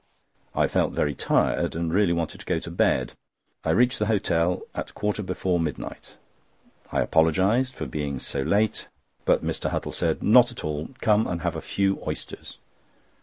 I felt very tired, and really wanted to go to bed. I reached the hotel at a quarter before midnight. I apologised for being so late, but Mr. Huttle said: "Not at all; come and have a few oysters."